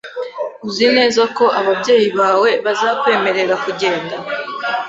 Uzi neza ko ababyeyi bawe bazakwemerera kugenda?